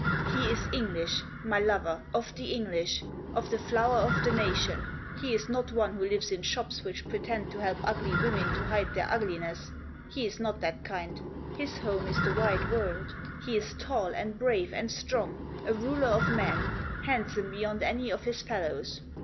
" He is English, my lover, of the English ; of the flower of the nation. He is not one who lives in shops which pretend to help ugly women to hide their ugli Digitized by SUSIE. 131 ness; he is not that kind. His home is the wide world. He is tall, and brave, and strong ; a ruler of men; handsome beyond any of his fellows."